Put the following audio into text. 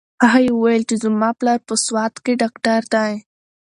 هغې وویل چې زما پلار په سوات کې ډاکټر دی.